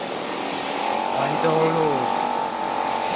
環中路